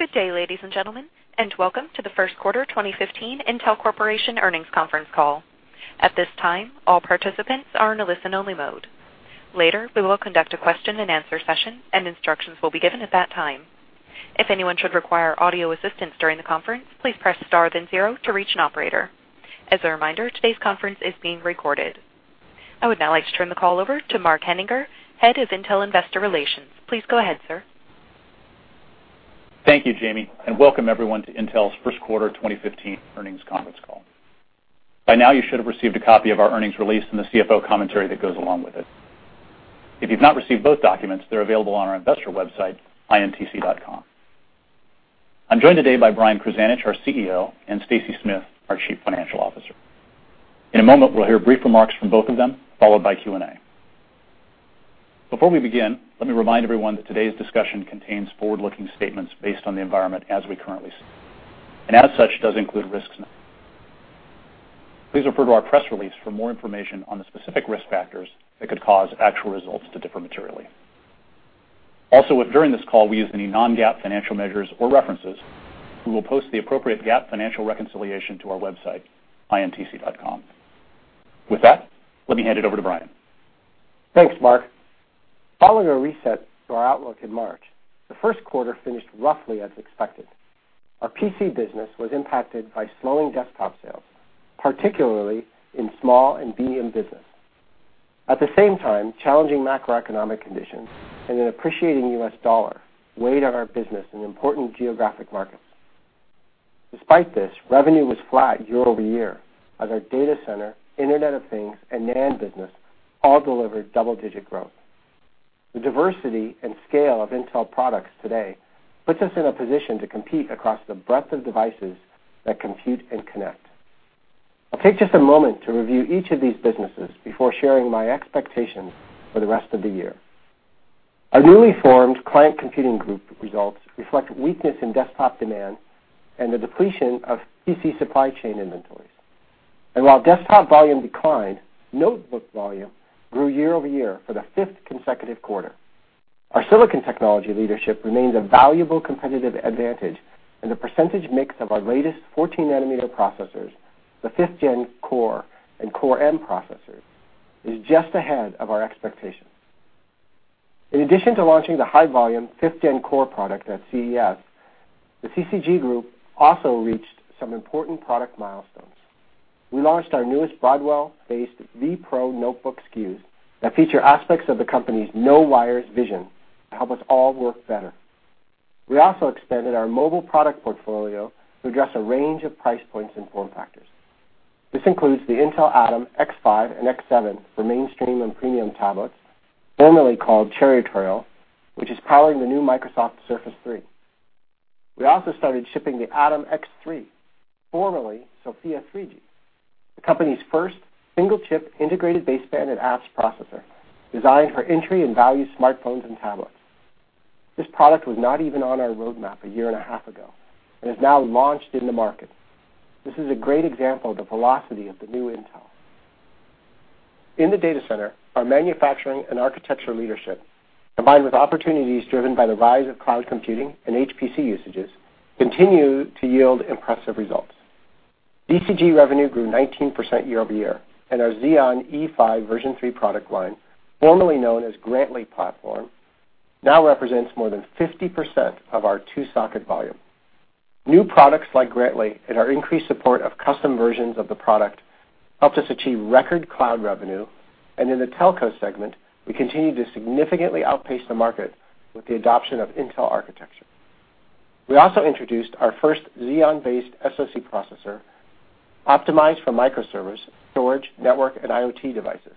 Good day, ladies and gentlemen, and welcome to the first quarter 2015 Intel Corporation earnings conference call. At this time, all participants are in listen only mode. Later, we will conduct a question and answer session, and instructions will be given at that time. If anyone should require audio assistance during the conference, please press star then zero to reach an operator. As a reminder, today's conference is being recorded. I would now like to turn the call over to Mark Henninger, Head of Intel Investor Relations. Please go ahead, sir. Thank you, Jamie. Welcome everyone to Intel's first quarter 2015 earnings conference call. By now, you should have received a copy of our earnings release and the CFO commentary that goes along with it. If you've not received both documents, they are available on our investor website, intc.com. I'm joined today by Brian Krzanich, our CEO, and Stacy Smith, our Chief Financial Officer. In a moment, we will hear brief remarks from both of them, followed by Q&A. Before we begin, let me remind everyone that today's discussion contains forward-looking statements based on the environment as we currently see, and as such, does include risks. Please refer to our press release for more information on the specific risk factors that could cause actual results to differ materially. If during this call we use any non-GAAP financial measures or references, we will post the appropriate GAAP financial reconciliation to our website, intc.com. With that, let me hand it over to Brian. Thanks, Mark. Following a reset to our outlook in March, the first quarter finished roughly as expected. Our PC business was impacted by slowing desktop sales, particularly in small and medium business. At the same time, challenging macroeconomic conditions and an appreciating U.S. dollar weighed on our business in important geographic markets. Despite this, revenue was flat year-over-year as our Data Center, Internet of Things, and NAND business all delivered double-digit growth. The diversity and scale of Intel products today puts us in a position to compete across the breadth of devices that compute and connect. I'll take just a moment to review each of these businesses before sharing my expectations for the rest of the year. Our newly formed Client Computing Group results reflect weakness in desktop demand and the depletion of PC supply chain inventories. And while desktop volume declined, notebook volume grew year-over-year for the fifth consecutive quarter. Our silicon technology leadership remains a valuable competitive advantage and the percentage mix of our latest 14 nanometer processors, the 5th Gen Core and Core M processors, is just ahead of our expectations. In addition to launching the high volume 5th Gen Core product at CES, the CCG group also reached some important product milestones. We launched our newest Broadwell-based vPro notebook SKUs that feature aspects of the company's no-wires vision to help us all work better. We also expanded our mobile product portfolio to address a range of price points and form factors. This includes the Intel Atom x5 and x7 for mainstream and premium tablets, formerly called Cherry Trail, which is powering the new Microsoft Surface 3. We also started shipping the Atom x3, formerly SoFIA 3G, the company's first single-chip integrated baseband and apps processor designed for entry and value smartphones and tablets. This product was not even on our roadmap a year and a half ago and is now launched in the market. This is a great example of the velocity of the new Intel. In the data center, our manufacturing and architecture leadership, combined with opportunities driven by the rise of cloud computing and HPC usages, continue to yield impressive results. DCG revenue grew 19% year-over-year, and our Xeon E5 version three product line, formerly known as Grantley Platform, now represents more than 50% of our two-socket volume. New products like Grantley and our increased support of custom versions of the product helped us achieve record cloud revenue, and in the telco segment, we continue to significantly outpace the market with the adoption of Intel architecture. We also introduced our first Xeon-based SoC processor optimized for microservers, storage, network, and IoT devices.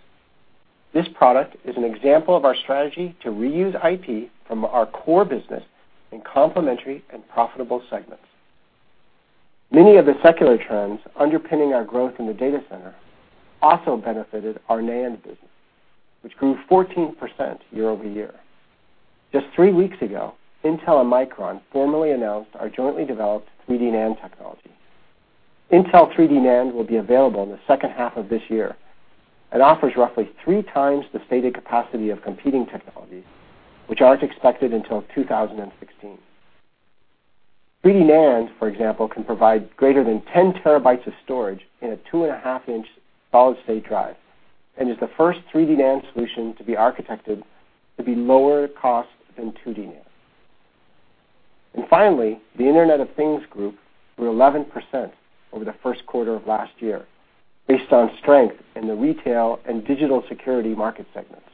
This product is an example of our strategy to reuse IP from our core business in complementary and profitable segments. Many of the secular trends underpinning our growth in the data center also benefited our NAND business, which grew 14% year-over-year. Just three weeks ago, Intel and Micron formally announced our jointly developed 3D NAND technology. Intel 3D NAND will be available in the second half of this year and offers roughly three times the stated capacity of competing technologies, which aren't expected until 2016. 3D NAND, for example, can provide greater than 10 terabytes of storage in a two and a half inch solid-state drive and is the first 3D NAND solution to be architected to be lower cost than 2D NAND. And finally, the Internet of Things Group grew 11% over the first quarter of last year based on strength in the retail and digital security market segments.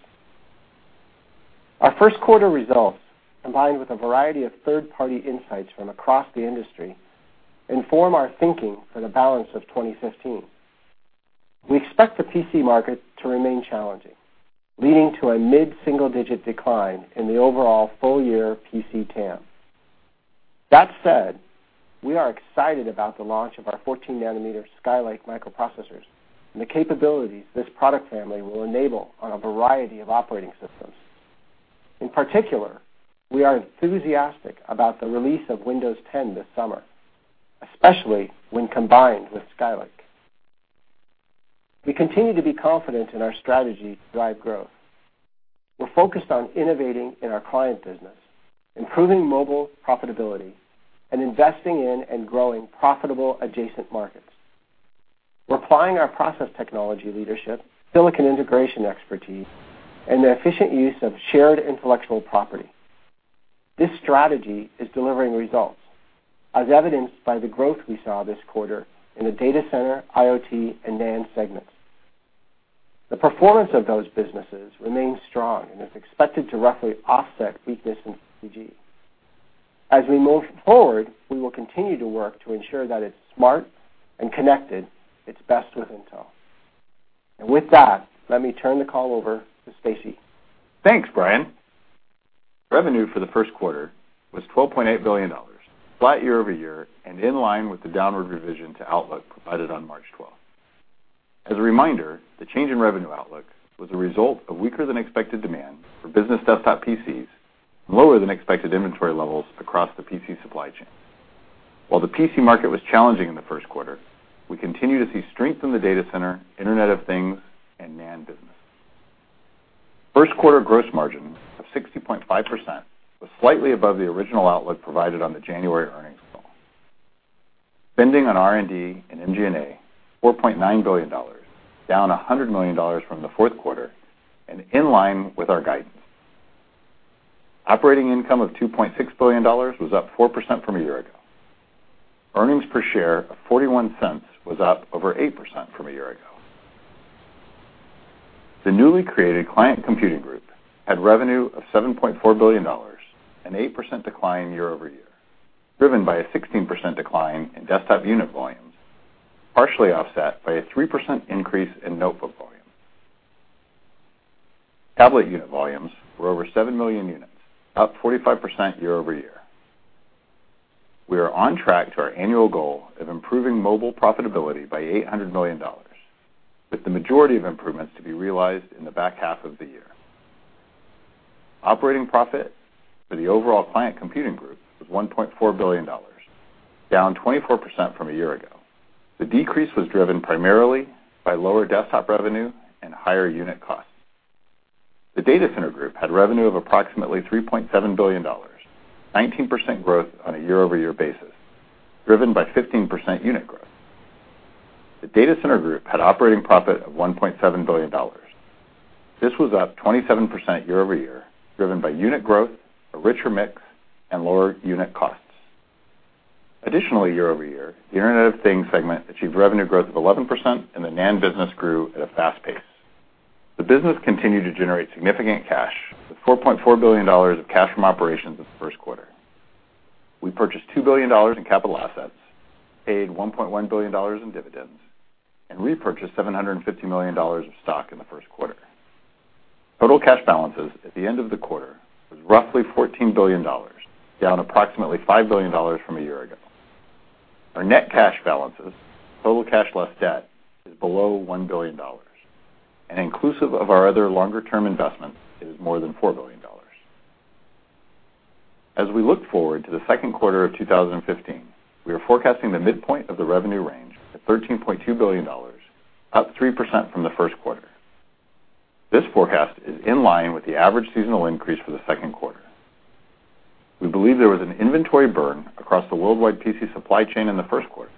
Our first quarter results, combined with a variety of third-party insights from across the industry, inform our thinking for the balance of 2015. We expect the PC market to remain challenging, leading to a mid-single-digit decline in the overall full-year PC TAM. That said, we are excited about the launch of our 14 nanometer Skylake microprocessors and the capabilities this product family will enable on a variety of operating systems. In particular, we are enthusiastic about the release of Windows 10 this summer, especially when combined with Skylake. We continue to be confident in our strategy to drive growth. We're focused on innovating in our client business, improving mobile profitability, and investing in and growing profitable adjacent markets. We're applying our process technology leadership, silicon integration expertise, and the efficient use of shared intellectual property. This strategy is delivering results, as evidenced by the growth we saw this quarter in the Data Center, IoT, and NAND segments. The performance of those businesses remains strong and is expected to roughly offset weakness in CCG. As we move forward, we will continue to work to ensure that it's smart and connected, it's best with Intel. With that, let me turn the call over to Stacy. Thanks, Brian. Revenue for the first quarter was $12.8 billion, flat year-over-year, and in line with the downward revision to outlook provided on March 12th. As a reminder, the change in revenue outlook was a result of weaker than expected demand for business desktop PCs and lower than expected inventory levels across the PC supply chain. While the PC market was challenging in the first quarter, we continue to see strength in the Data Center, Internet of Things, and NAND business. First quarter gross margin of 60.5% was slightly above the original outlook provided on the January earnings call. Spending on R&D and MG&A, $4.9 billion, down $100 million from the fourth quarter and in line with our guidance. Operating income of $2.6 billion was up 4% from a year ago. Earnings per share of $0.41 was up over 8% from a year ago. The newly created Client Computing Group had revenue of $7.4 billion, an 8% decline year-over-year, driven by a 16% decline in desktop unit volumes, partially offset by a 3% increase in notebook volumes. Tablet unit volumes were over 7 million units, up 45% year-over-year. We are on track to our annual goal of improving mobile profitability by $800 million, with the majority of improvements to be realized in the back half of the year. Operating profit for the overall Client Computing Group was $1.4 billion, down 24% from a year ago. The decrease was driven primarily by lower desktop revenue and higher unit costs. The Data Center Group had revenue of approximately $3.7 billion, 19% growth on a year-over-year basis, driven by 15% unit growth. The Data Center Group had operating profit of $1.7 billion. This was up 27% year-over-year, driven by unit growth, a richer mix, and lower unit costs. Additionally, year-over-year, the Internet of Things segment achieved revenue growth of 11%, and the NAND business grew at a fast pace. The business continued to generate significant cash, with $4.4 billion of cash from operations in the first quarter. We purchased $2 billion in capital assets, paid $1.1 billion in dividends, and repurchased $750 million of stock in the first quarter. Total cash balances at the end of the quarter was roughly $14 billion, down approximately $5 billion from a year ago. Our net cash balances, total cash less debt, is below $1 billion, and inclusive of our other longer-term investments, it is more than $4 billion. As we look forward to the second quarter of 2015, we are forecasting the midpoint of the revenue range at $13.2 billion, up 3% from the first quarter. This forecast is in line with the average seasonal increase for the second quarter. We believe there was an inventory burn across the worldwide PC supply chain in the first quarter,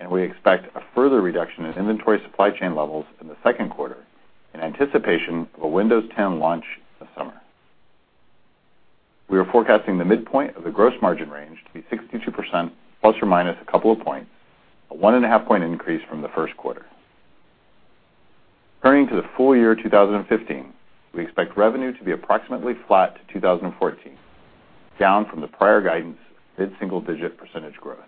and we expect a further reduction in inventory supply chain levels in the second quarter in anticipation of a Windows 10 launch this summer. We are forecasting the midpoint of the gross margin range to be 62%, plus or minus a couple of points, a one and a half point increase from the first quarter. Turning to the full year 2015, we expect revenue to be approximately flat to 2014, down from the prior guidance of mid-single digit % growth.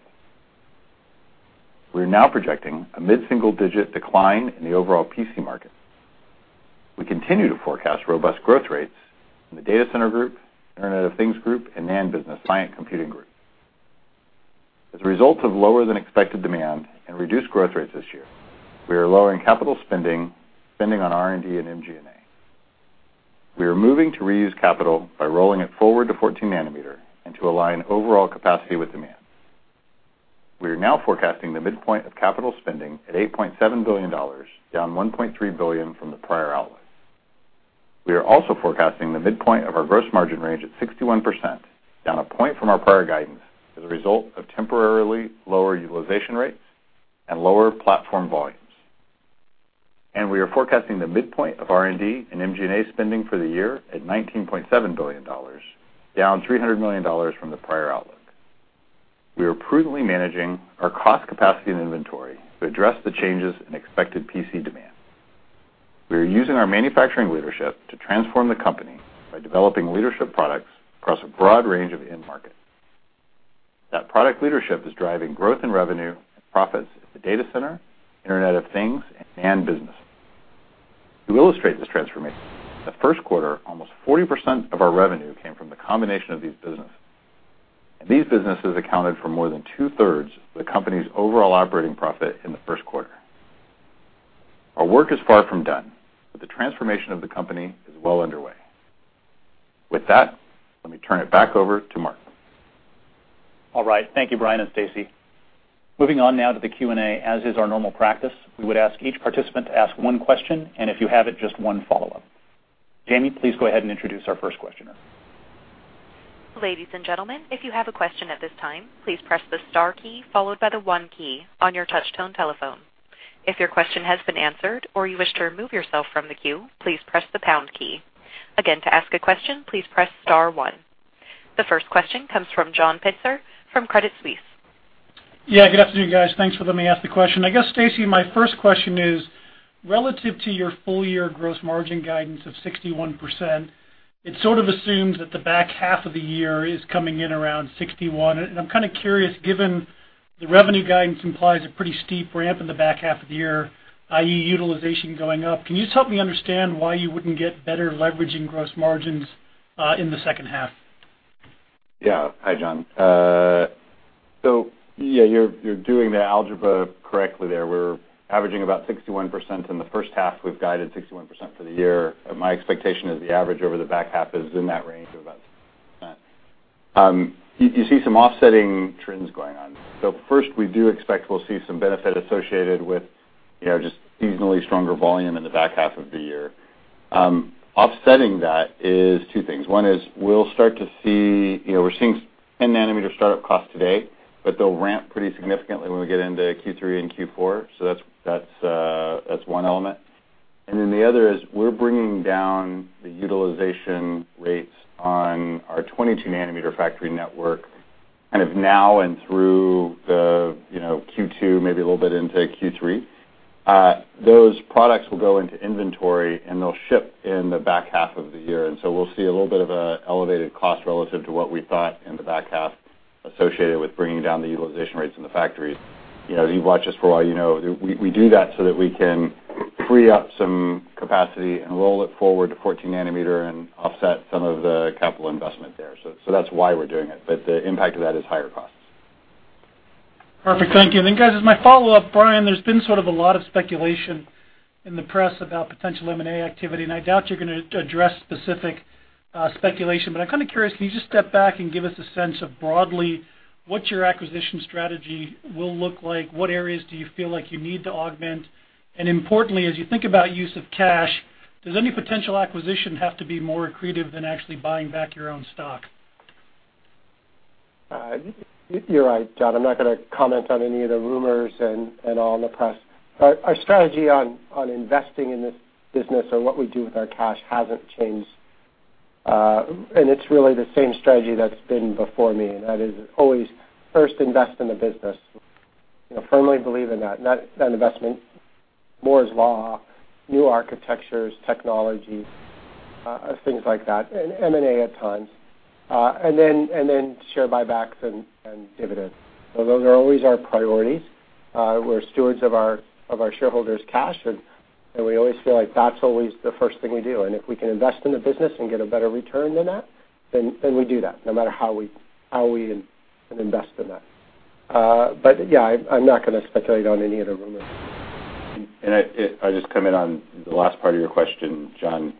We are now projecting a mid-single digit decline in the overall PC market. We continue to forecast robust growth rates in the Data Center Group, Internet of Things Group, and NAND business, Client Computing Group. As a result of lower than expected demand and reduced growth rates this year, we are lowering capital spending on R&D, and MG&A. We are moving to reuse capital by rolling it forward to 14 nm and to align overall capacity with demand. We are now forecasting the midpoint of capital spending at $8.7 billion, down $1.3 billion from the prior outlook. We are also forecasting the midpoint of our gross margin range at 61%, down a point from our prior guidance, as a result of temporarily lower utilization rates and lower platform volumes. We are forecasting the midpoint of R&D and MG&A spending for the year at $19.7 billion, down $300 million from the prior outlook. We are prudently managing our cost capacity and inventory to address the changes in expected PC demand. We are using our manufacturing leadership to transform the company by developing leadership products across a broad range of end markets. That product leadership is driving growth in revenue and profits at the Data Center, Internet of Things, and NAND business. To illustrate this transformation, in the first quarter, almost 40% of our revenue came from the combination of these businesses, and these businesses accounted for more than two-thirds of the company's overall operating profit in the first quarter. Our work is far from done. The transformation of the company is well underway. With that, let me turn it back over to Mark. All right. Thank you, Brian and Stacy. Moving on now to the Q&A. As is our normal practice, we would ask each participant to ask one question, and if you have it, just one follow-up. Jamie, please go ahead and introduce our first questioner. Ladies and gentlemen, if you have a question at this time, please press the star key followed by the one key on your touch-tone telephone. If your question has been answered or you wish to remove yourself from the queue, please press the pound key. Again, to ask a question, please press star one. The first question comes from John Pitzer from Credit Suisse. Yeah, good afternoon, guys. Thanks for letting me ask the question. I guess, Stacy, my first question is relative to your full-year gross margin guidance of 61%, it sort of assumes that the back half of the year is coming in around 61%. I'm kind of curious, given the revenue guidance implies a pretty steep ramp in the back half of the year, i.e., utilization going up, can you just help me understand why you wouldn't get better leverage in gross margins in the second half? Yeah. Hi, John. Yeah, you're doing the algebra correctly there. We're averaging about 61% in the first half. We've guided 61% for the year. My expectation is the average over the back half is in that range of about 61%. You see some offsetting trends going on there. First, we do expect we'll see some benefit associated with just seasonally stronger volume in the back half of the year. Offsetting that is two things. One is we're seeing 10 nm startup costs today, but they'll ramp pretty significantly when we get into Q3 and Q4. That's one element, and then the other is we're bringing down the utilization rates on our 22 nm factory network kind of now and through the Q2, maybe a little bit into Q3. Those products will go into inventory, and they'll ship in the back half of the year. We'll see a little bit of an elevated cost relative to what we thought in the back half associated with bringing down the utilization rates in the factories. You've watched us for a while, you know we do that so that we can free up some capacity and roll it forward to 14 nm and offset some of the capital investment there. That's why we're doing it. The impact of that is higher costs. Perfect. Thank you. Guys, as my follow-up, Brian, there's been sort of a lot of speculation in the press about potential M&A activity, and I doubt you're going to address specific speculation, but I'm kind of curious. Can you just step back and give us a sense of broadly what your acquisition strategy will look like? What areas do you feel like you need to augment? Importantly, as you think about use of cash, does any potential acquisition have to be more accretive than actually buying back your own stock? You're right, John. I'm not going to comment on any of the rumors at all in the press. Our strategy on investing in this business or what we do with our cash hasn't changed. It's really the same strategy that's been before me, and that is always first invest in the business. Firmly believe in that investment, Moore's Law, new architectures, technology, things like that, and M&A at times. Then share buybacks and dividends. Those are always our priorities. We're stewards of our shareholders' cash, and we always feel like that's always the first thing we do, and if we can invest in the business and get a better return than that, then we do that no matter how we invest in that. Yeah, I'm not going to speculate on any of the rumors. I just come in on the last part of your question, John.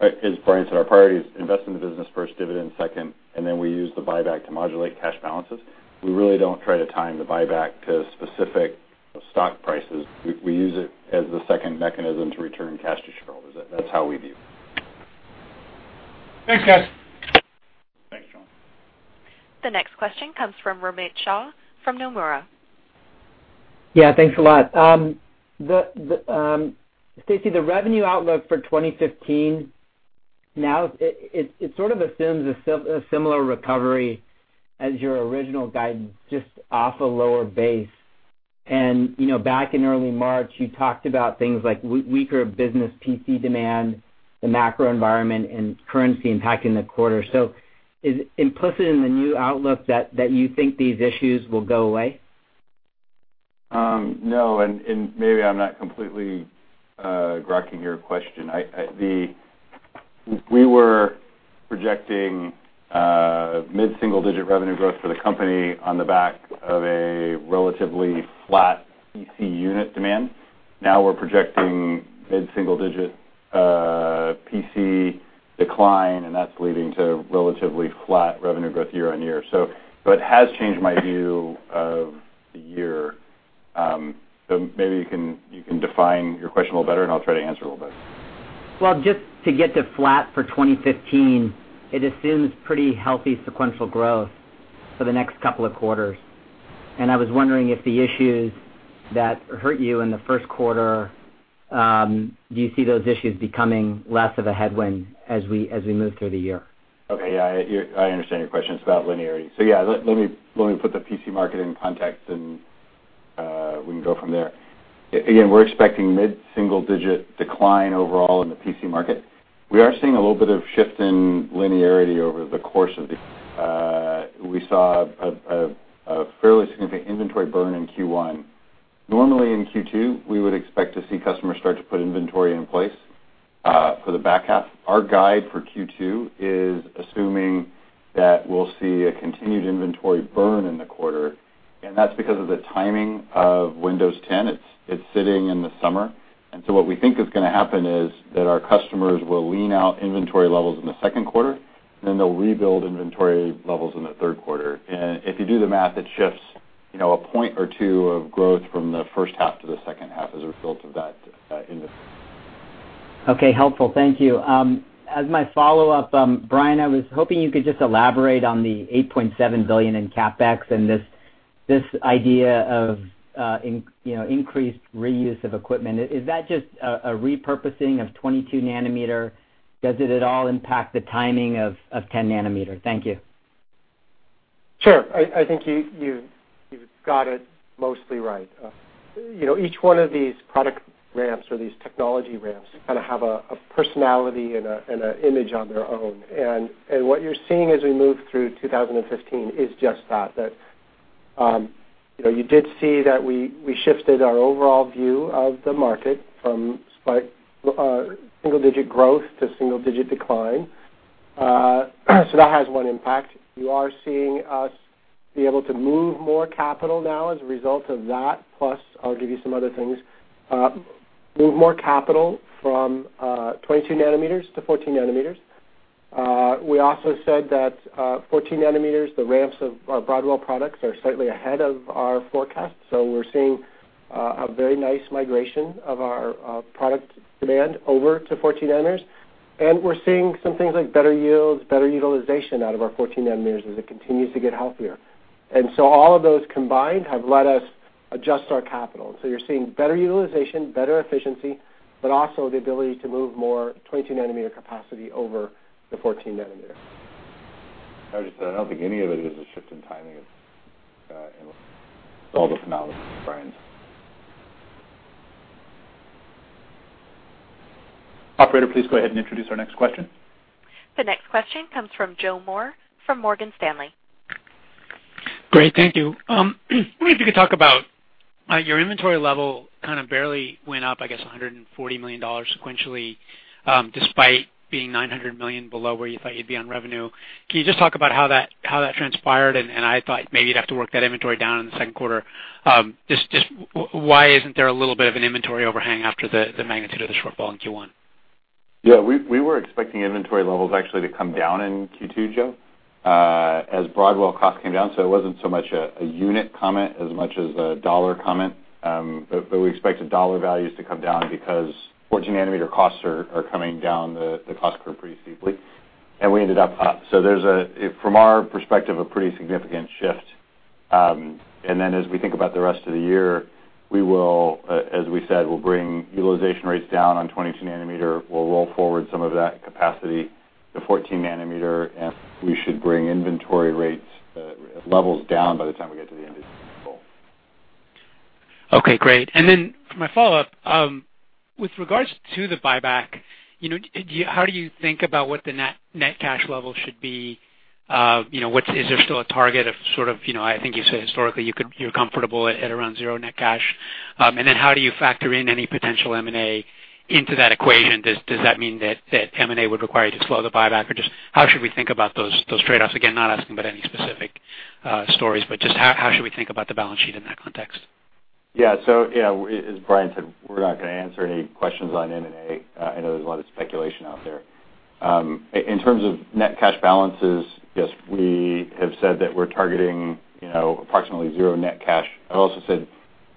As Brian said, our priority is invest in the business first, dividends second, then we use the buyback to modulate cash balances. We really don't try to time the buyback to specific stock prices. We use it as the second mechanism to return cash to shareholders. That's how we view it. Thanks, guys. Thanks, John. The next question comes from Romit Shah from Nomura. Yeah, thanks a lot. Stacy, the revenue outlook for 2015 now, it sort of assumes a similar recovery as your original guidance, just off a lower base. Back in early March, you talked about things like weaker business PC demand, the macro environment, and currency impacting the quarter. Is it implicit in the new outlook that you think these issues will go away? No, maybe I'm not completely grokking your question. We were projecting mid-single-digit revenue growth for the company on the back of a relatively flat PC unit demand. Now we're projecting mid-single-digit PC decline, and that's leading to relatively flat revenue growth year-on-year. It has changed my view of the year. Maybe you can define your question a little better, and I'll try to answer a little better. Well, just to get to flat for 2015, it assumes pretty healthy sequential growth for the next couple of quarters, and I was wondering if the issues that hurt you in the first quarter, do you see those issues becoming less of a headwind as we move through the year? Okay. Yeah, I understand your question. It's about linearity. Let me put the PC market in context, and we can go from there. Again, we're expecting mid-single-digit decline overall in the PC market. We are seeing a little bit of shift in linearity over the course of the year. We saw a fairly significant inventory burn in Q1. Normally in Q2, we would expect to see customers start to put inventory in place for the back half. Our guide for Q2 is assuming that we'll see a continued inventory burn in the quarter, and that's because of the timing of Windows 10. It's sitting in the summer. What we think is going to happen is that our customers will lean out inventory levels in the second quarter, and then they'll rebuild inventory levels in the third quarter. If you do the math, it shifts a point or two of growth from the first half to the second half as a result of that industry. Okay, helpful. Thank you. As my follow-up, Brian, I was hoping you could just elaborate on the $8.7 billion in CapEx and this idea of increased reuse of equipment. Is that just a repurposing of 22 nm? Does it at all impact the timing of 10 nm? Thank you. Sure. I think you've got it mostly right. Each one of these product ramps or these technology ramps kind of have a personality and an image on their own. What you're seeing as we move through 2015 is just that. You did see that we shifted our overall view of the market from slight single-digit growth to single-digit decline. That has one impact. You are seeing us be able to move more capital now as a result of that, plus I'll give you some other things. Move more capital from 22 nanometers to 14 nanometers. We also said that 14 nanometers, the ramps of our Broadwell products are slightly ahead of our forecast. We're seeing a very nice migration of our product demand over to 14 nanometers, we're seeing some things like better yields, better utilization out of our 14 nanometers as it continues to get healthier. All of those combined have let us adjust our capital. You're seeing better utilization, better efficiency, but also the ability to move more 22 nanometer capacity over to 14 nm. I would just add, I don't think any of it is a shift in timing to all the phenomena, Brian. Operator, please go ahead and introduce our next question. The next question comes from Joseph Moore from Morgan Stanley. Great. Thank you. I wonder if you could talk about your inventory level kind of barely went up, I guess, $140 million sequentially, despite being $900 million below where you thought you'd be on revenue. Can you just talk about how that transpired? I thought maybe you'd have to work that inventory down in the second quarter. Just why isn't there a little bit of an inventory overhang after the magnitude of the shortfall in Q1? Yeah, we were expecting inventory levels actually to come down in Q2, Joe, as Broadwell costs came down. It wasn't so much a unit comment as much as a dollar comment. We expected dollar values to come down because 14 nm costs are coming down the cost curve pretty steeply, and we ended up up. There's, from our perspective, a pretty significant shift. As we think about the rest of the year, as we said, we'll bring utilization rates down on 22 nm. We'll roll forward some of that capacity to 14 nm, and we should bring inventory rates levels down by the time we get to the end of the year. Okay, great. For my follow-up, with regards to the buyback, how do you think about what the net cash level should be? Is there still a target of sort of, I think you said historically you're comfortable at around zero net cash. How do you factor in any potential M&A into that equation? Does that mean that M&A would require you to slow the buyback? Just how should we think about those trade-offs? Again, not asking about any specific stories, but just how should we think about the balance sheet in that context? Yeah. As Brian said, we're not going to answer any questions on M&A. I know there's a lot of speculation out there. In terms of net cash balances, yes, we have said that we're targeting approximately zero net cash. I've also said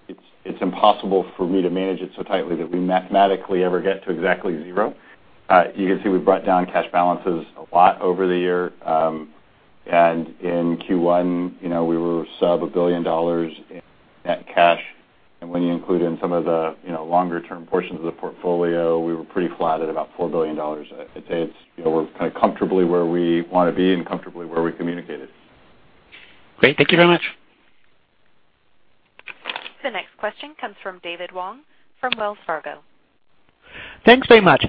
it's impossible for me to manage it so tightly that we mathematically ever get to exactly zero. You can see we've brought down cash balances a lot over the year. In Q1, we were sub $1 billion in net cash, and when you include in some of the longer-term portions of the portfolio, we were pretty flat at about $4 billion. We're kind of comfortably where we want to be and comfortably where we communicated. Great. Thank you very much. The next question comes from David Wong from Wells Fargo. Thanks very much.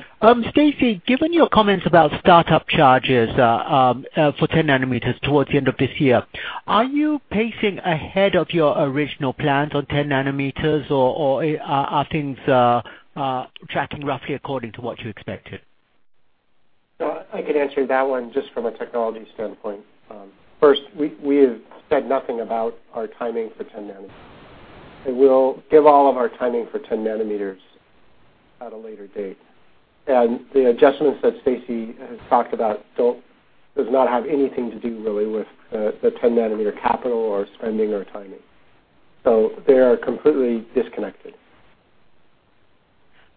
Stacy, given your comments about startup charges for 10 nanometers towards the end of this year, are you pacing ahead of your original plans on 10 nanometers, or are things tracking roughly according to what you expected? I could answer that one just from a technology standpoint. First, we have said nothing about our timing for 10 nanometers, we'll give all of our timing for 10 nanometers at a later date. The adjustments that Stacy has talked about does not have anything to do really with the 10 nm capital or spending or timing. They are completely disconnected.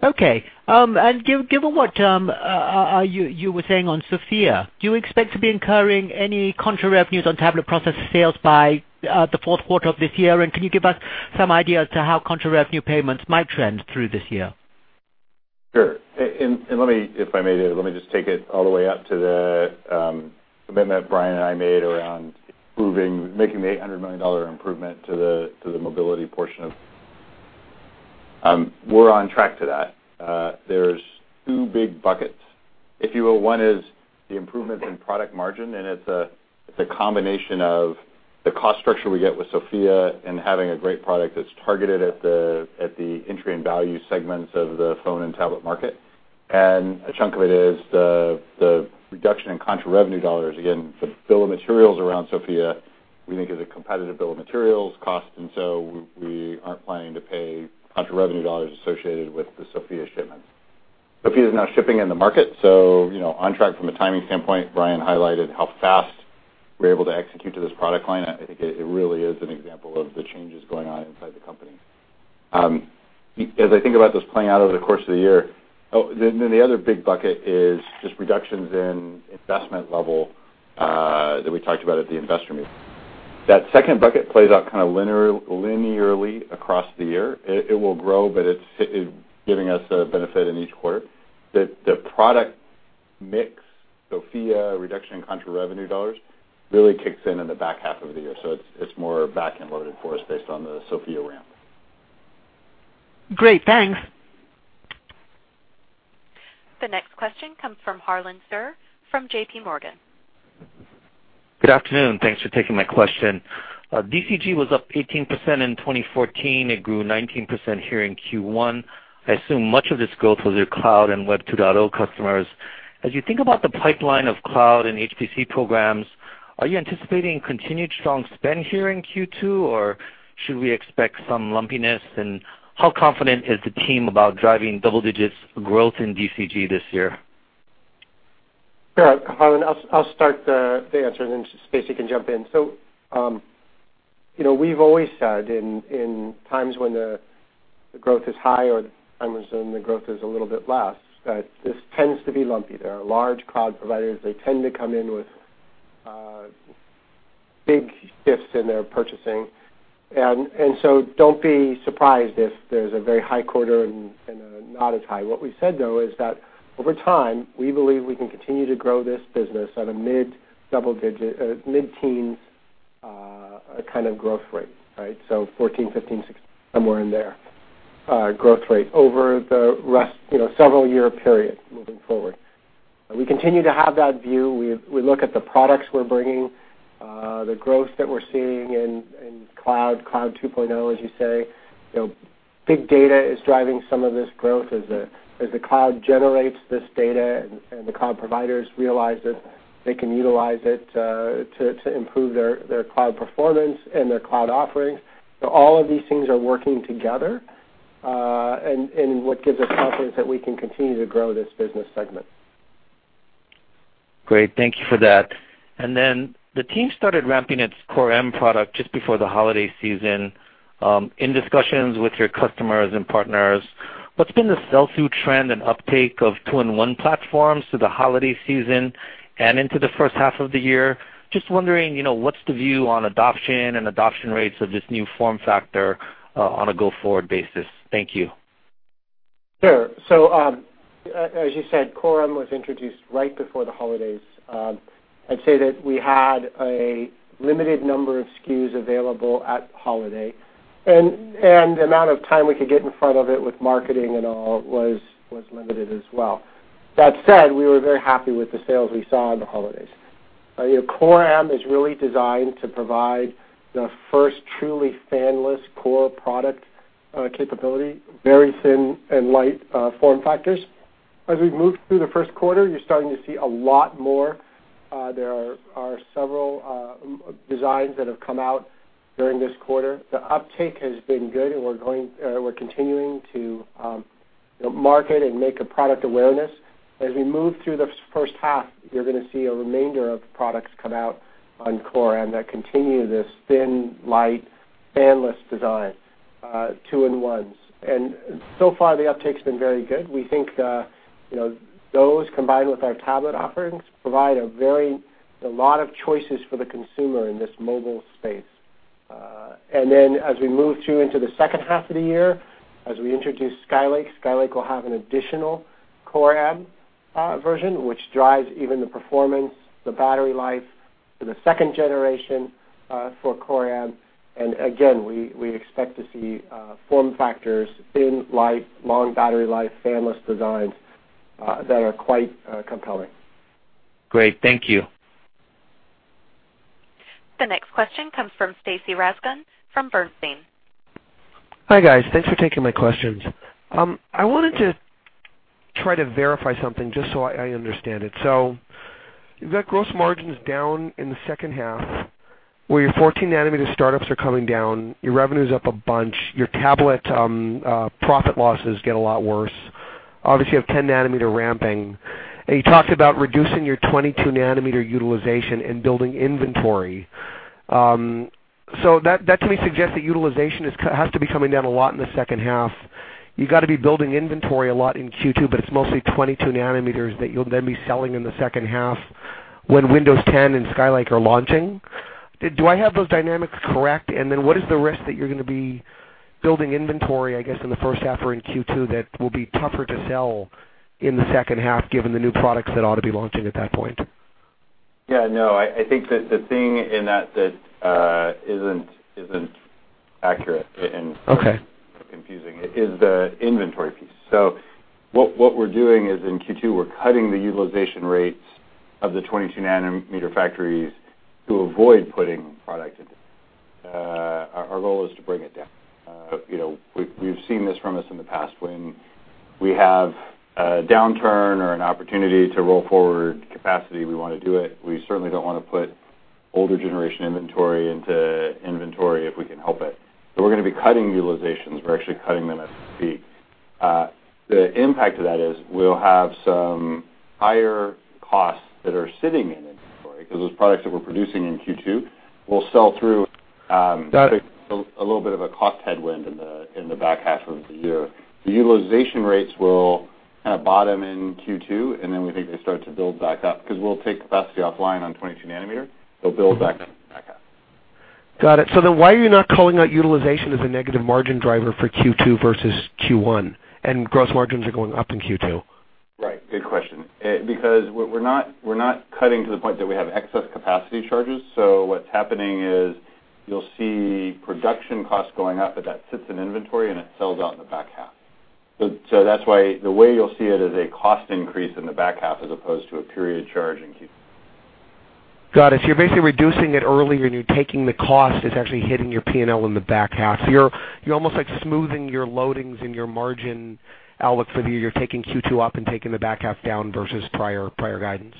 Okay. Given what you were saying on SoFIA, do you expect to be incurring any contra revenue on tablet processor sales by the fourth quarter of this year? Can you give us some idea as to how contra revenue payments might trend through this year? Sure. If I may, let me just take it all the way up to the commitment Brian and I made around making the $800 million improvement to the mobility portion. We're on track to that. There are two big buckets. If you will, one is the improvements in product margin, it's a combination of the cost structure we get with SoFIA and having a great product that's targeted at the entry and value segments of the phone and tablet market. A chunk of it is the reduction in contra revenue dollars. Again, the bill of materials around SoFIA, we think is a competitive bill of materials cost, we aren't planning to pay contra revenue dollars associated with the SoFIA shipments. SoFIA is now shipping in the market, on track from a timing standpoint. Brian highlighted how fast we're able to execute to this product line. I think it really is an example of the changes going on inside the company. As I think about this playing out over the course of the year, the other big bucket is just reductions in investment level, that we talked about at the investor meeting. That second bucket plays out kind of linearly across the year. It will grow, but it's giving us a benefit in each quarter. The product mix, SoFIA reduction in contra revenue dollars, really kicks in in the back half of the year. It's more back-end loaded for us based on the SoFIA ramp. Great. Thanks. The next question comes from Harlan Sur from J.P. Morgan. Good afternoon. Thanks for taking my question. DCG was up 18% in 2014. It grew 19% here in Q1. I assume much of this growth was your cloud and Web 2.0 customers. As you think about the pipeline of cloud and HPC programs, are you anticipating continued strong spend here in Q2, or should we expect some lumpiness? How confident is the team about driving double digits growth in DCG this year? Yeah. Harlan, I'll start the answer, and then Stacy can jump in. We've always said, in times when the growth is high or times when the growth is a little bit less, that this tends to be lumpy. There are large cloud providers. They tend to come in with big shifts in their purchasing. Don't be surprised if there's a very high quarter and a not as high. What we said, though, is that over time, we believe we can continue to grow this business at a mid-teens kind of growth rate, right? So 14, 15, 16, somewhere in there, growth rate over the several year period moving forward. We continue to have that view. We look at the products we're bringing, the growth that we're seeing in cloud, Cloud 2.0, as you say. Big Data is driving some of this growth as the cloud generates this data, and the cloud providers realize that they can utilize it to improve their cloud performance and their cloud offerings. All of these things are working together. What gives us confidence that we can continue to grow this business segment. Great. Thank you for that. Then the team started ramping its Core M product just before the holiday season. In discussions with your customers and partners, what's been the sell-through trend and uptake of two-in-one platforms through the holiday season and into the first half of the year? Just wondering, what's the view on adoption and adoption rates of this new form factor on a go-forward basis. Thank you. Sure. As you said, Core M was introduced right before the holidays. I'd say that we had a limited number of SKUs available at holiday, the amount of time we could get in front of it with marketing and all was limited as well. That said, we were very happy with the sales we saw on the holidays. Core M is really designed to provide the first truly fanless Core product capability, very thin and light form factors. As we've moved through the first quarter, you're starting to see a lot more. There are several designs that have come out during this quarter. The uptake has been good, we're continuing to market and make a product awareness. As we move through the first half, you're going to see a remainder of products come out on Core M that continue this thin, light, fanless design, two-in-ones. So far, the uptake's been very good. We think those combined with our tablet offerings, provide a lot of choices for the consumer in this mobile space. Then as we move through into the second half of the year, as we introduce Skylake will have an additional Core M version, which drives even the performance, the battery life for the second generation, for Core M. Again, we expect to see form factors thin, light, long battery life, fanless designs that are quite compelling. Great. Thank you. The next question comes from Stacy Rasgon from Bernstein. Hi, guys. Thanks for taking my questions. I wanted to try to verify something just so I understand it. You've got gross margins down in the second half, where your 14 nm startups are coming down, your revenue's up a bunch, your tablet profit losses get a lot worse. Obviously, you have 10 nm ramping, and you talked about reducing your 22 nm utilization and building inventory. That to me suggests that utilization has to be coming down a lot in the second half. You got to be building inventory a lot in Q2, but it's mostly 22 nanometers that you'll then be selling in the second half when Windows 10 and Skylake are launching. Do I have those dynamics correct? What is the risk that you're going to be building inventory, I guess, in the first half or in Q2, that will be tougher to sell in the second half given the new products that ought to be launching at that point? I think that the thing in that isn't accurate and Okay confusing is the inventory piece. What we're doing is in Q2, we're cutting the utilization rates of the 22 nm factories to avoid putting product into. Our goal is to bring it down. We've seen this from us in the past. When we have a downturn or an opportunity to roll forward capacity, we want to do it. We certainly don't want to put older generation inventory into inventory if we can help it. We're going to be cutting utilizations. We're actually cutting them at peak. The impact of that is we'll have some higher costs that are sitting in inventory because those products that we're producing in Q2 will sell through a little bit of a cost headwind in the back half of the year. The utilization rates will bottom in Q2, and then we think they start to build back up because we'll take capacity offline on 22 nm. They'll build back up. Got it. Why are you not calling out utilization as a negative margin driver for Q2 versus Q1, and gross margins are going up in Q2? Right. Good question. We're not cutting to the point that we have excess capacity charges. What's happening is you'll see production costs going up, but that sits in inventory, and it sells out in the back half. That's why the way you'll see it is a cost increase in the back half as opposed to a period charge in Q. Got it. You're basically reducing it early, and you're taking the cost is actually hitting your P&L in the back half. You're almost like smoothing your loadings and your margin outlook for the year. You're taking Q2 up and taking the back half down versus prior guidance.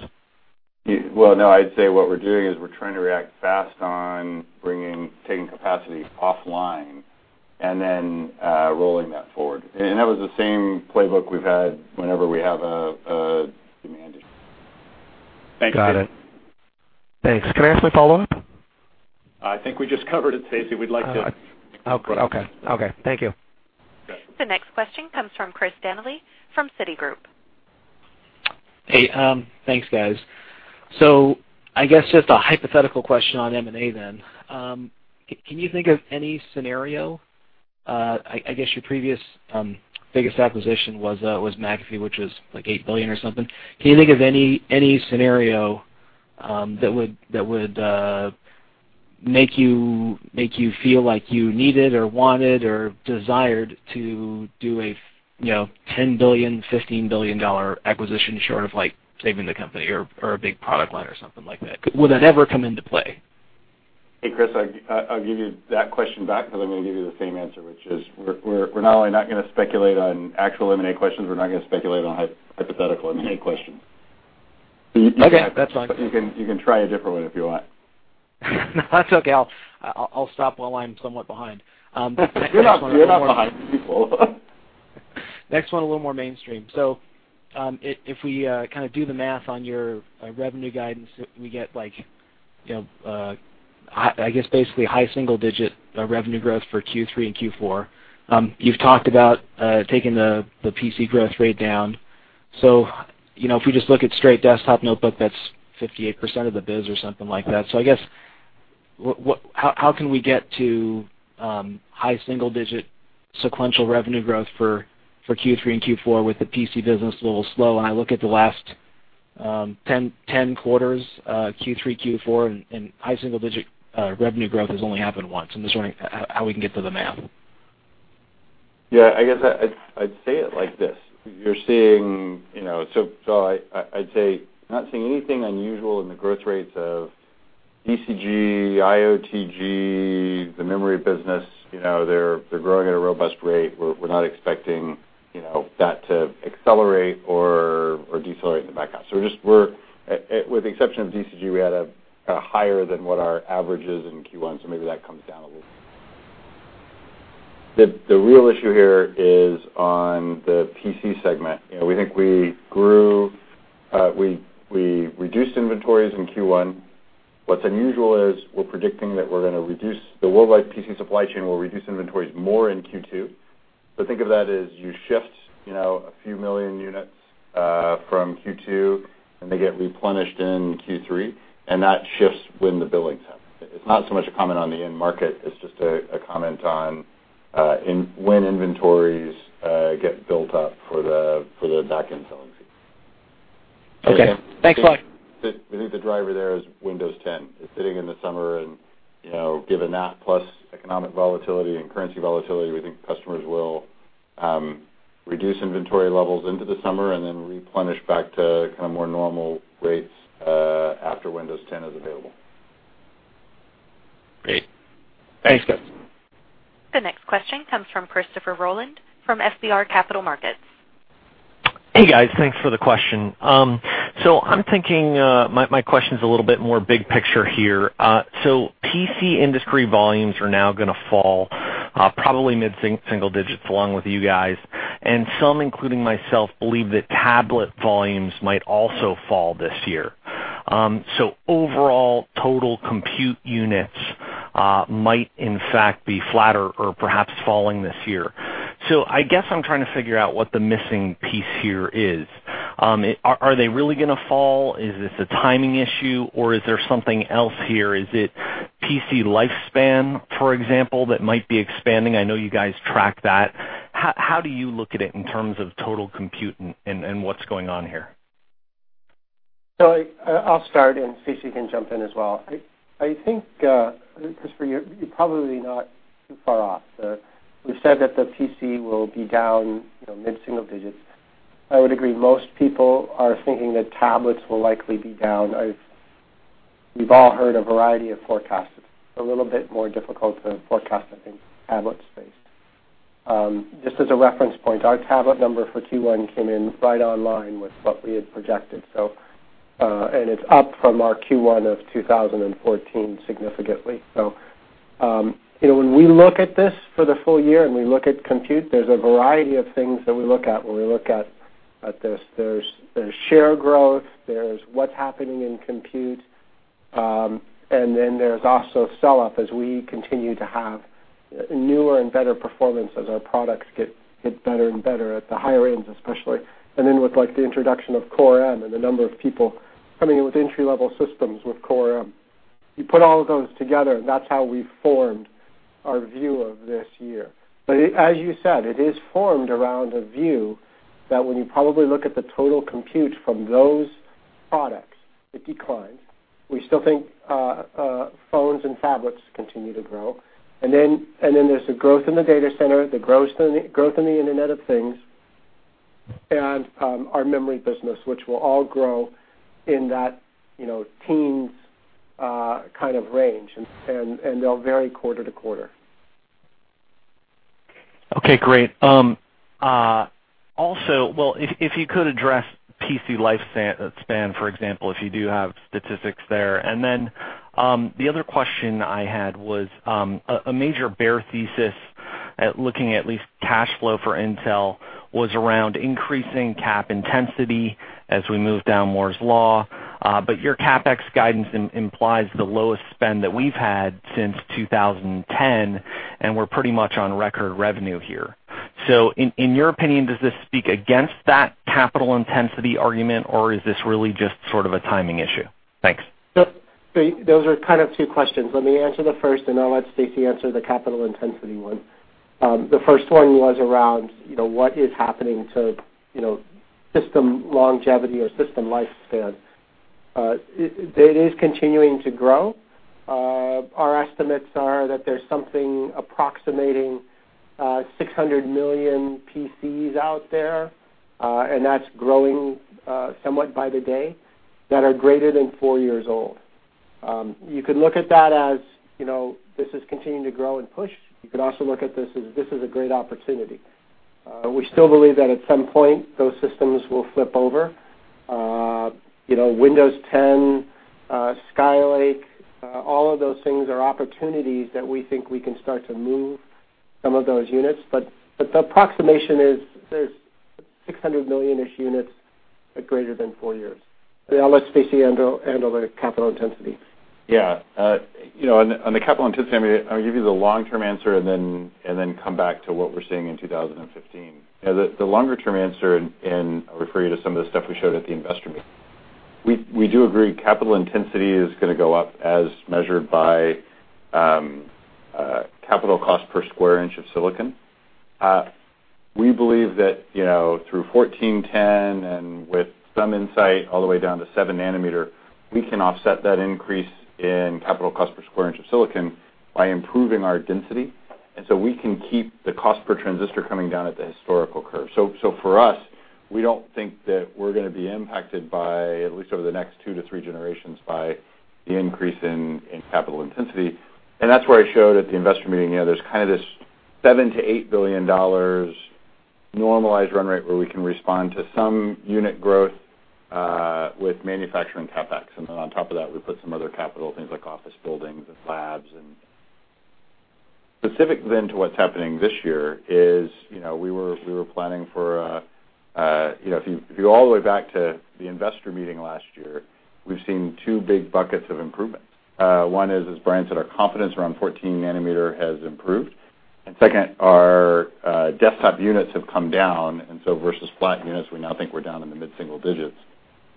Well, no, I'd say what we're doing is we're trying to react fast on taking capacity offline and then rolling that forward. That was the same playbook we've had whenever we have a demand. Got it. Thanks. Can I ask a follow-up? I think we just covered it, Stacy. Oh, okay. Thank you. Okay. The next question comes from Christopher Danely from Citigroup. Hey, thanks, guys. I guess just a hypothetical question on M&A then. Can you think of any scenario, I guess your previous biggest acquisition was McAfee, which was like $8 billion or something. Can you think of any scenario that would make you feel like you needed or wanted or desired to do a $10 billion, $15 billion acquisition short of saving the company or a big product line or something like that? Would that ever come into play? Hey, Chris, I'll give you that question back because I'm going to give you the same answer, which is, we're not only not going to speculate on actual M&A questions, we're not going to speculate on hypothetical M&A questions. Okay. That's fine. You can try a different way if you want. No, that's okay. I'll stop while I'm somewhat behind. You're not behind people. Next one, a little more mainstream. If we do the math on your revenue guidance, we get, I guess basically high single-digit revenue growth for Q3 and Q4. You've talked about taking the PC growth rate down. If we just look at straight desktop notebook, that's 58% of the biz or something like that. I guess, how can we get to high single-digit sequential revenue growth for Q3 and Q4 with the PC business a little slow? I look at the last 10 quarters, Q3, Q4, and high single-digit revenue growth has only happened once. I'm just wondering how we can get to the math. Yeah, I guess I'd say it like this. I'd say not seeing anything unusual in the growth rates of DCG, IOTG, the memory business. They're growing at a robust rate. We're not expecting that to accelerate or decelerate in the back half. With the exception of DCG, we had a higher than what our average is in Q1, so maybe that comes down a little. The real issue here is on the PC segment. We think we reduced inventories in Q1. What's unusual is we're predicting that the worldwide PC supply chain will reduce inventories more in Q2. Think of that as you shift a few million units from Q2, and they get replenished in Q3, and that shifts when the billings happen. It's not so much a comment on the end market, it's just a comment on when inventories get built up for the back-end selling season. Okay. Thanks a lot. We think the driver there is Windows 10. It's sitting in the summer, given that plus economic volatility and currency volatility, we think customers will reduce inventory levels into the summer and then replenish back to more normal rates after Windows 10 is available. Great. Thanks, guys. The next question comes from Christopher Rolland from FBR Capital Markets. Hey, guys, thanks for the question. I'm thinking my question's a little bit more big picture here. PC industry volumes are now going to fall, probably mid-single digits along with you guys, and some, including myself, believe that tablet volumes might also fall this year. Overall, total compute units might in fact be flatter or perhaps falling this year. I guess I'm trying to figure out what the missing piece here is. Are they really going to fall? Is this a timing issue, or is there something else here? Is it PC lifespan, for example, that might be expanding? I know you guys track that. How do you look at it in terms of total compute and what's going on here? I'll start, and Stacy can jump in as well. I think, Christopher, you're probably not too far off. We've said that the PC will be down mid-single digits. I would agree. Most people are thinking that tablets will likely be down. We've all heard a variety of forecasts. It's a little bit more difficult to forecast, I think, tablet space. Just as a reference point, our tablet number for Q1 came in right online with what we had projected, and it's up from our Q1 of 2014, significantly. When we look at this for the full year, and we look at compute, there's a variety of things that we look at when we look at this. There's share growth, there's what's happening in compute, and then there's also selloff as we continue to have newer and better performance as our products get better and better at the higher end, especially. With the introduction of Core M and the number of people coming in with entry-level systems with Core M. You put all of those together, and that's how we formed our view of this year. As you said, it is formed around a view that when you probably look at the total compute from those products, it declines. We still think phones and tablets continue to grow. There's the growth in the Data Center, the growth in the Internet of Things, and our memory business, which will all grow in that teens kind of range, and they'll vary quarter-to-quarter. Okay, great. Also, well, if you could address PC lifespan, for example, if you do have statistics there. The other question I had was, a major bear thesis at looking at least cash flow for Intel was around increasing cap intensity as we move down Moore's Law. Your CapEx guidance implies the lowest spend that we've had since 2010, and we're pretty much on record revenue here. In your opinion, does this speak against that capital intensity argument, or is this really just sort of a timing issue? Thanks. Those are kind of two questions. Let me answer the first, and I'll let Stacy answer the capital intensity one. The first one was around what is happening to system longevity or system lifespan. Data is continuing to grow. Our estimates are that there's something approximating 600 million PCs out there, and that's growing somewhat by the day, that are greater than four years old. You could look at that as this is continuing to grow and push. You could also look at this as this is a great opportunity. We still believe that at some point, those systems will flip over. Windows 10, Skylake, all of those things are opportunities that we think we can start to move some of those units. The approximation is there's 600 million-ish units greater than four years. I'll let Stacy handle the capital intensity. Yeah. On the capital intensity, I'm going to give you the long-term answer and then come back to what we're seeing in 2015. The longer-term answer, I'll refer you to some of the stuff we showed at the investor meeting. We do agree capital intensity is going to go up as measured by capital cost per square inch of silicon. We believe that through 14 nm, 10 nm, and with some insight, all the way down to 7 nanometer, we can offset that increase in capital cost per square inch of silicon by improving our density. We can keep the cost per transistor coming down at the historical curve. For us, we don't think that we're going to be impacted by, at least over the next 2 to 3 generations, the increase in capital intensity. That's where I showed at the investor meeting, there's kind of this $7 billion-$8 billion normalized run rate where we can respond to some unit growth with manufacturing CapEx. On top of that, we put some other capital things like office buildings and labs. Specific then to what's happening this year is, if you go all the way back to the investor meeting last year, we've seen two big buckets of improvements. One is, as Brian said, our confidence around 14 nm has improved. Second, our desktop units have come down. Versus flat units, we now think we're down in the mid-single digits.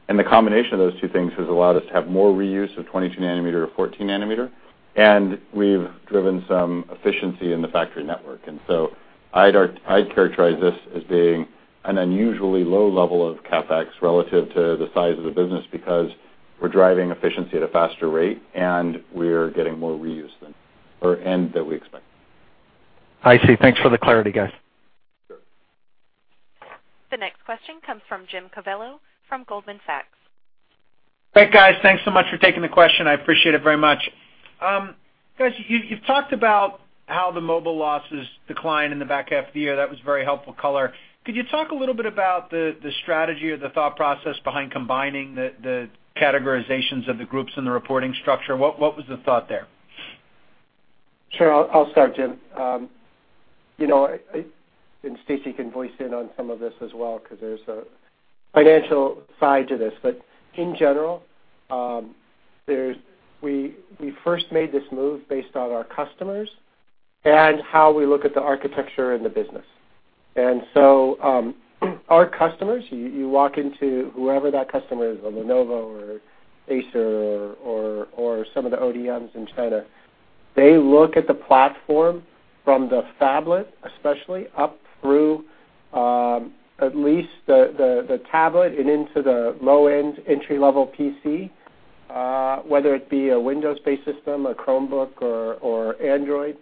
The combination of those two things has allowed us to have more reuse of 22 nm or 14 nm, and we've driven some efficiency in the factory network. I'd characterize this as being an unusually low level of CapEx relative to the size of the business, because we're driving efficiency at a faster rate, and we're getting more reuse than we expect. I see. Thanks for the clarity, guys. Sure. The next question comes from Jim Covello from Goldman Sachs. Great, guys. Thanks so much for taking the question. I appreciate it very much. Guys, you've talked about how the mobile losses decline in the back half of the year. That was very helpful color. Could you talk a little bit about the strategy or the thought process behind combining the categorizations of the groups in the reporting structure? What was the thought there? Sure. I'll start, Jim. Stacy can voice in on some of this as well, because there's a financial side to this. In general, we first made this move based on our customers and how we look at the architecture and the business. Our customers, you walk into whoever that customer is, a Lenovo or Acer or some of the ODMs in China, they look at the platform from the phablet, especially up through at least the tablet and into the low-end entry-level PC, whether it be a Windows-based system, a Chromebook, or Android,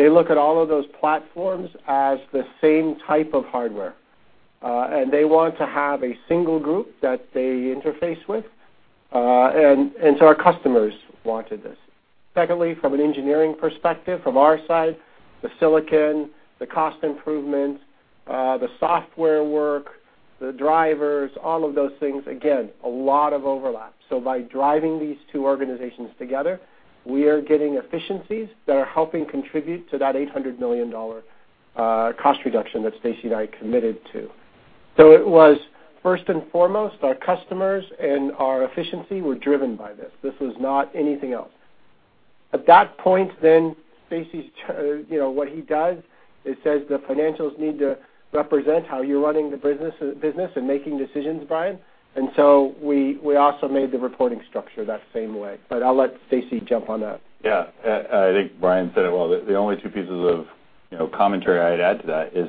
they look at all of those platforms as the same type of hardware. They want to have a single group that they interface with. Our customers wanted this. Secondly, from an engineering perspective, from our side, the silicon, the cost improvements, the software work, the drivers, all of those things, again, a lot of overlap. By driving these two organizations together, we are getting efficiencies that are helping contribute to that $800 million cost reduction that Stacy Smith and I committed to. It was first and foremost, our customers and our efficiency were driven by this. This was not anything else. At that point, Stacy Smith, what he does is says the financials need to represent how you're running the business and making decisions, Brian Krzanich. We also made the reporting structure that same way. I'll let Stacy Smith jump on that. Yeah. I think Brian Krzanich said it well. The only two pieces of commentary I'd add to that is,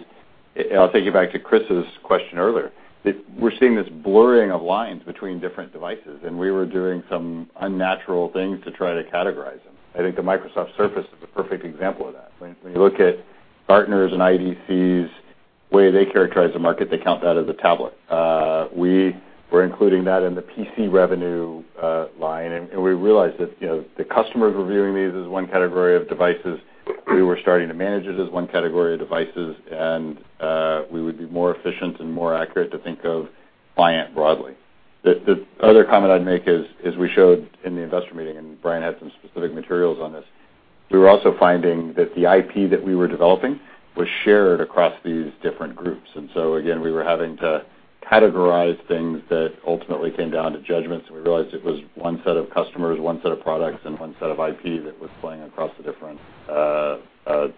I'll take you back to Chris's question earlier, that we're seeing this blurring of lines between different devices, and we were doing some unnatural things to try to categorize them. I think the Microsoft Surface is a perfect example of that. When you look at Gartner's and IDC's way they characterize the market, they count that as a tablet. We were including that in the PC revenue line, and we realized that the customers were viewing these as one category of devices. We were starting to manage it as one category of devices, and we would be more efficient and more accurate to think of client broadly. The other comment I'd make is, as we showed in the investor meeting, Brian Krzanich had some specific materials on this, we were also finding that the IP that we were developing was shared across these different groups. Again, we were having to categorize things that ultimately came down to judgments, and we realized it was one set of customers, one set of products, and one set of IP that was playing across the different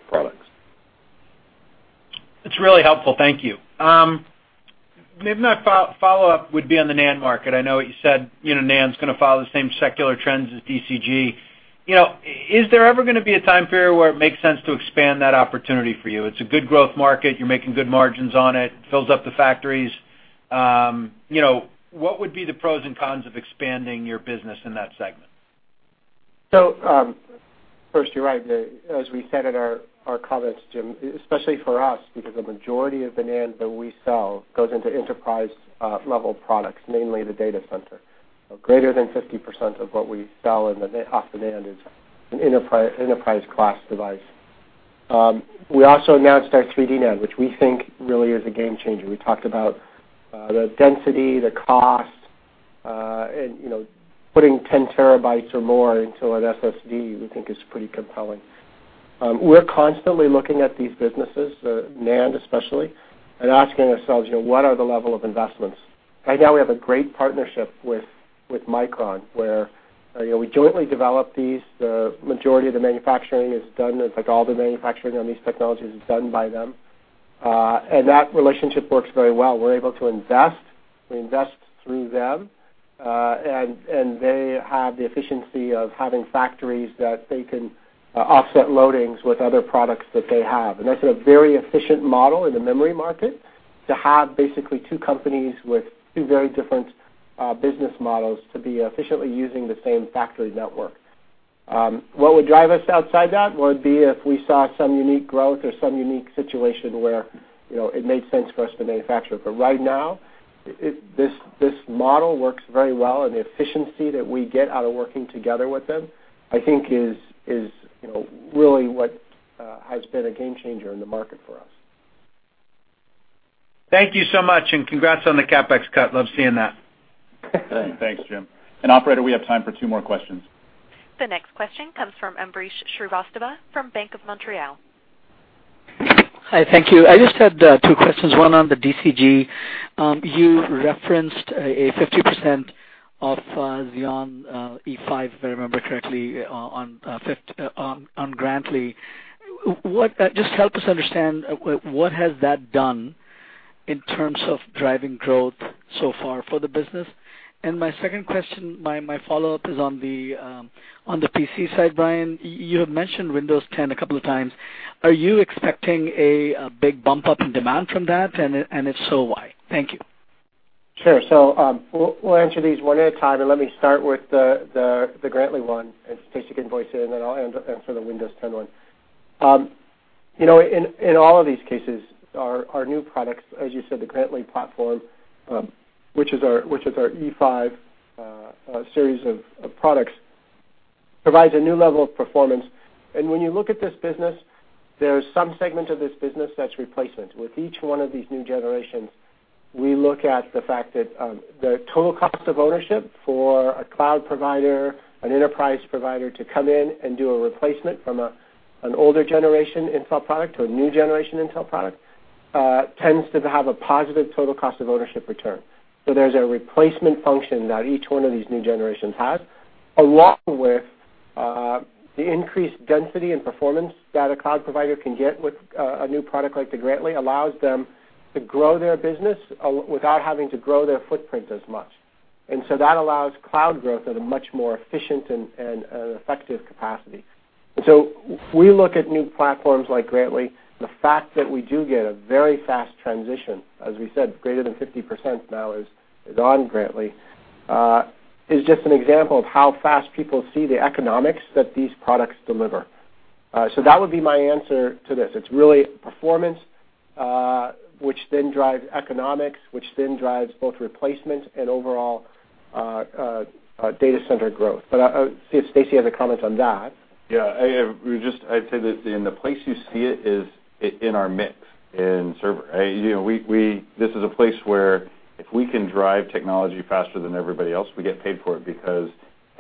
products. That's really helpful. Thank you. Maybe my follow-up would be on the NAND market. I know what you said, NAND is going to follow the same secular trends as DCG. Is there ever going to be a time period where it makes sense to expand that opportunity for you? It's a good growth market. You're making good margins on it. It fills up the factories. What would be the pros and cons of expanding your business in that segment? First, you're right. As we said in our comments, Jim, especially for us, because the majority of the NAND that we sell goes into enterprise-level products, mainly the data center. Greater than 50% of what we sell off the NAND is an enterprise class device. We also announced our 3D NAND, which we think really is a game changer. We talked about the density, the cost, and putting 10 terabytes or more into an SSD, we think is pretty compelling. We're constantly looking at these businesses, NAND especially, and asking ourselves, what are the level of investments? Right now, we have a great partnership with Micron, where we jointly develop these. The majority of the manufacturing is done, in fact, all the manufacturing on these technologies is done by them. That relationship works very well. We're able to invest. We invest through them. They have the efficiency of having factories that they can offset loadings with other products that they have. That's a very efficient model in the memory market to have basically two companies with two very different business models to be efficiently using the same factory network. What would drive us outside that would be if we saw some unique growth or some unique situation where it made sense for us to manufacture. Right now, this model works very well, and the efficiency that we get out of working together with them, I think is really what has been a game changer in the market for us. Thank you so much, and congrats on the CapEx cut. Love seeing that. Thanks, Jim. Operator, we have time for two more questions. The next question comes from Ambrish Srivastava from Bank of Montreal. Hi, thank you. I just had two questions, one on the DCG. You referenced a 50% of Xeon E5, if I remember correctly, on Grantley. Just help us understand what has that done in terms of driving growth so far for the business. My second question, my follow-up is on the PC side, Brian. You have mentioned Windows 10 a couple of times. Are you expecting a big bump up in demand from that? If so, why? Thank you. Sure. We'll answer these one at a time, let me start with the Grantley one, Stacy can voice in, then I'll answer the Windows 10 one. In all of these cases, our new products, as you said, the Grantley platform, which is our E5 series of products, provides a new level of performance. When you look at this business, there's some segment of this business that's replacement. With each one of these new generations, we look at the fact that the total cost of ownership for a cloud provider, an enterprise provider to come in and do a replacement from an older generation Intel product to a new generation Intel product, tends to have a positive total cost of ownership return. There's a replacement function that each one of these new generations has, along with the increased density and performance that a cloud provider can get with a new product like the Grantley, allows them to grow their business without having to grow their footprint as much. That allows cloud growth at a much more efficient and effective capacity. We look at new platforms like Grantley. The fact that we do get a very fast transition, as we said, greater than 50% now is on Grantley, is just an example of how fast people see the economics that these products deliver. That would be my answer to this. It's really performance, which then drives economics, which then drives both replacement and overall data center growth. I'll see if Stacy has a comment on that. Yeah. I'd say that the place you see it is in our mix in server. This is a place where if we can drive technology faster than everybody else, we get paid for it because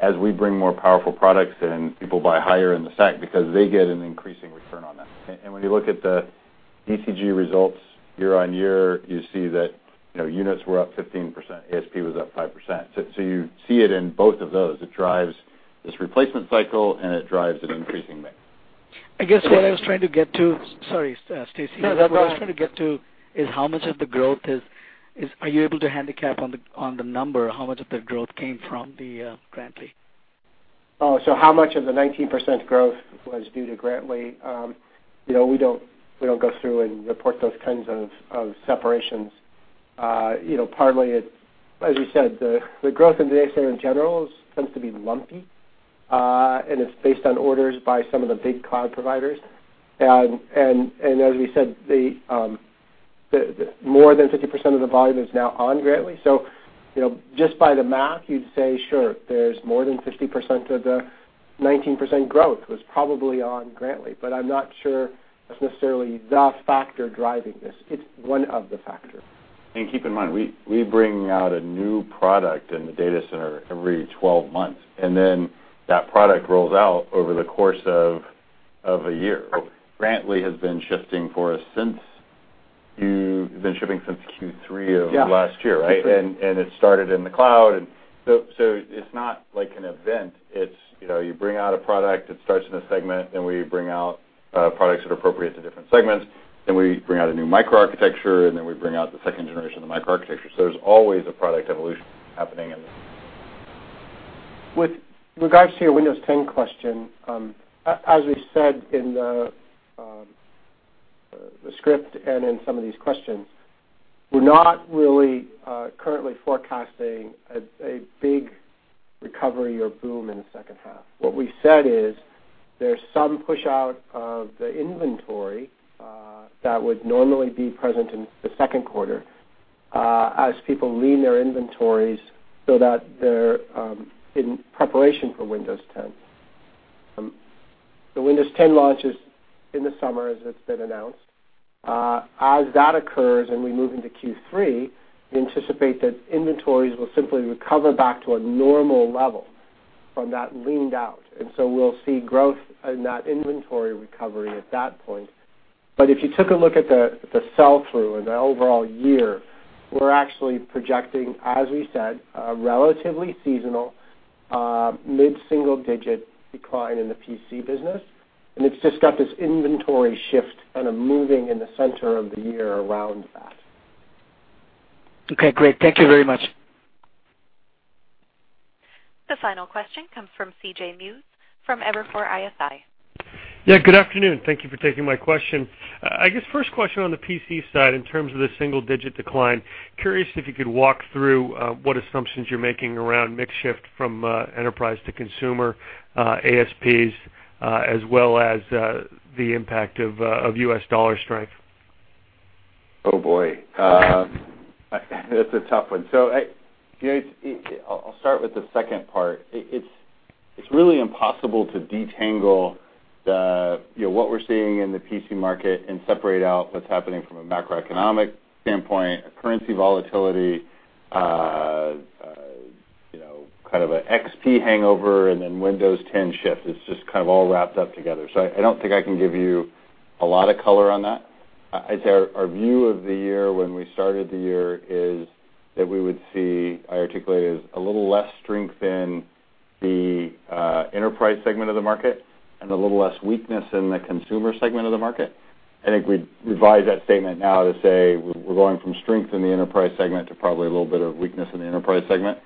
as we bring more powerful products in, people buy higher in the stack because they get an increasing return on that. When you look at the DCG results year-on-year, you see that units were up 15%, ASP was up 5%. You see it in both of those. It drives this replacement cycle, and it drives an increasing mix. I guess what I was trying to get to. Sorry, Stacy. No, go ahead. What I was trying to get to is, are you able to handicap on the number, how much of the growth came from the Grantley? How much of the 19% growth was due to Grantley? We don't go through and report those kinds of separations. Partly, as we said, the growth in data center in general tends to be lumpy, and it's based on orders by some of the big cloud providers. As we said, more than 50% of the volume is now on Grantley. Just by the math, you'd say, sure, there's more than 50% of the 19% growth was probably on Grantley. I'm not sure that's necessarily the factor driving this. It's one of the factors. Keep in mind, we bring out a new product in the data center every 12 months, and then that product rolls out over the course of a year. Grantley has been shipping for us since Q3 of last year, right? Yeah. Q3. It started in the cloud. It's not like an event. It's you bring out a product, it starts in a segment, then we bring out products that are appropriate to different segments, then we bring out a new microarchitecture, and then we bring out the second generation of the microarchitecture. There's always a product evolution happening in this. With regards to your Windows 10 question, as we said in the script and in some of these questions, we're not really currently forecasting a big recovery or boom in the second half. What we said is there's some push out of the inventory that would normally be present in the second quarter as people lean their inventories so that they're in preparation for Windows 10. The Windows 10 launch is in the summer, as it's been announced. As that occurs and we move into Q3, we anticipate that inventories will simply recover back to a normal level from that leaned out. So we'll see growth in that inventory recovery at that point. If you took a look at the sell-through and the overall year, we're actually projecting, as we said, a relatively seasonal, mid-single-digit decline in the PC business, and it's just got this inventory shift kind of moving in the center of the year around that. Okay, great. Thank you very much. The final question comes from CJ Muse from Evercore ISI. Good afternoon. Thank you for taking my question. I guess first question on the PC side in terms of the single-digit decline, curious if you could walk through what assumptions you're making around mix shift from enterprise to consumer ASPs as well as the impact of U.S. dollar strength. Oh, boy. That's a tough one. I'll start with the second part. It's really impossible to detangle what we're seeing in the PC market and separate out what's happening from a macroeconomic standpoint, a currency volatility, kind of a XP hangover, and then Windows 10 shift. It's just kind of all wrapped up together. I don't think I can give you a lot of color on that. I'd say our view of the year when we started the year is that we would see, I articulated, a little less strength in the enterprise segment of the market and a little less weakness in the consumer segment of the market. I think we'd revise that statement now to say we're going from strength in the enterprise segment to probably a little bit of weakness in the enterprise segment.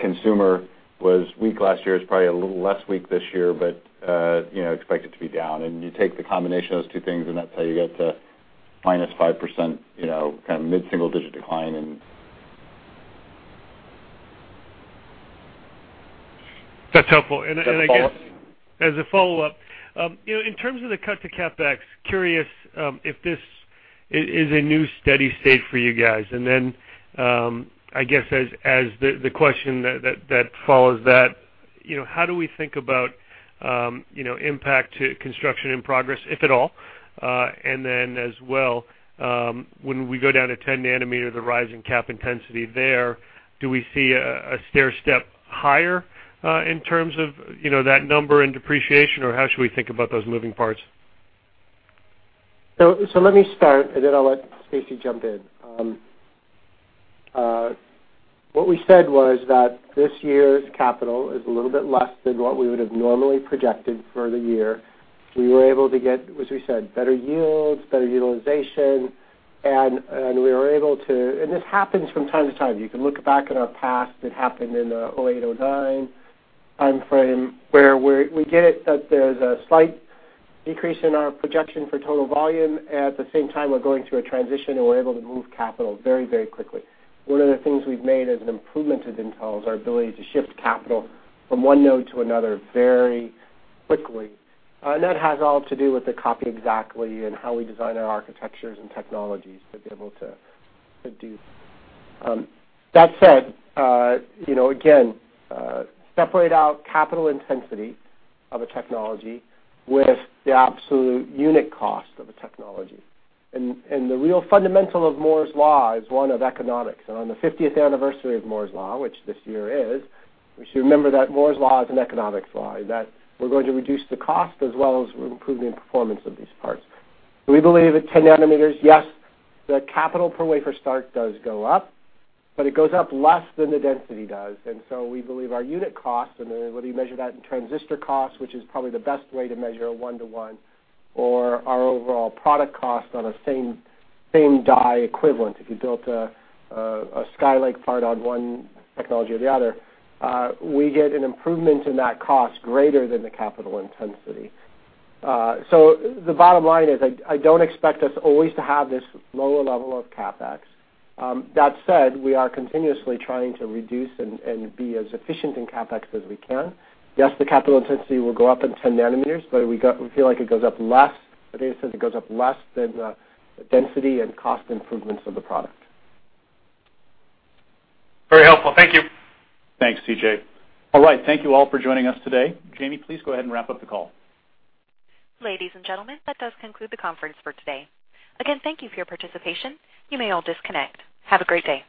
Consumer was weak last year. It's probably a little less weak this year, but expect it to be down. You take the combination of those two things, and that's how you get the -5%, kind of mid-single-digit decline in- That's helpful. Is that a follow-up? As a follow-up, in terms of the cut to CapEx, curious if this is a new steady state for you guys. I guess as the question that follows that, how do we think about impact to construction in progress, if at all? As well, when we go down to 10 nm, the rise in cap intensity there, do we see a stairstep higher in terms of that number and depreciation, or how should we think about those moving parts? Let me start, I'll let Stacy jump in. What we said was that this year's capital is a little bit less than what we would have normally projected for the year. We were able to get, as we said, better yields, better utilization. This happens from time to time. You can look back at our past. It happened in the 2008, 2009 time frame, where we get it that there's a slight decrease in our projection for total volume. At the same time, we're going through a transition, and we're able to move capital very quickly. One of the things we've made as an improvement at Intel is our ability to shift capital from one node to another very quickly. That has all to do with the Copy Exactly! How we design our architectures and technologies to be able to do. That said, again, separate out capital intensity of a technology with the absolute unit cost of a technology. The real fundamental of Moore's Law is one of economics. On the 50th anniversary of Moore's Law, which this year is, we should remember that Moore's Law is an economics law, that we're going to reduce the cost as well as we're improving performance of these parts. We believe at 10 nanometers, yes, the capital per wafer start does go up, but it goes up less than the density does. We believe our unit cost, and whether you measure that in transistor cost, which is probably the best way to measure a one-to-one, or our overall product cost on a same die equivalent, if you built a Skylake part on one technology or the other, we get an improvement in that cost greater than the capital intensity. The bottom line is, I don't expect us always to have this lower level of CapEx. That said, we are continuously trying to reduce and be as efficient in CapEx as we can. Yes, the capital intensity will go up in 10 nanometers, but we feel like it goes up less, the data says it goes up less than the density and cost improvements of the product. Very helpful. Thank you. Thanks, CJ. All right. Thank you all for joining us today. Jamie, please go ahead and wrap up the call. Ladies and gentlemen, that does conclude the conference for today. Again, thank you for your participation. You may all disconnect. Have a great day.